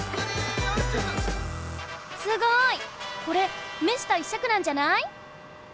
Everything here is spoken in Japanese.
すごい！これ目下一尺なんじゃない？